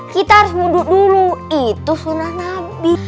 kita harus mundur dulu itu sunnah nabi